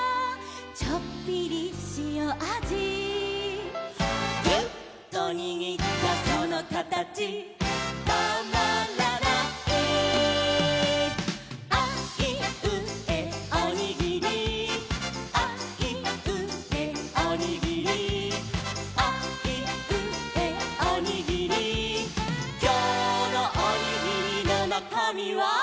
「ちょっぴりしおあじ」「ギュッとにぎったそのかたちたまらない」「あいうえおにぎり」「あいうえおにぎり」「あいうえおにぎり」「きょうのおにぎりのなかみは？」